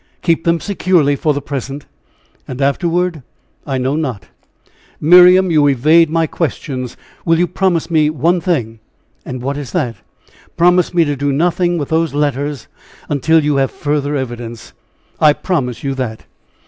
"Keep them securely for the present." "And afterward?" "I know not." "Miriam, you evade my questions. Will you promise me one thing?" "What is that?" "Promise me to do nothing with those letters until you have further evidence." "I promise you that."